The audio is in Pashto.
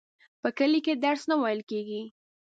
په کلي کي درس نه وویل کیږي.